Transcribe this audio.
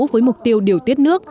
với mục tiêu điều tiết nước